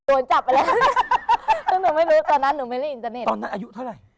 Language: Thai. โดนจับไปแล้วตอนนั้นหนูไม่ได้อินเทอร์เนสตอนนั้นอายุเท่าไหร่